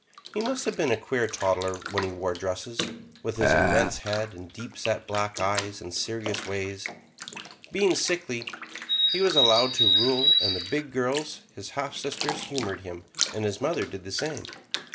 He must have been a queer toddler when he wore dresses, with his immense head and deep set black eyes and serious ways. Being sickly, he was allowed to rule, and the big girls, his half sisters, humored him, and his mother did the same.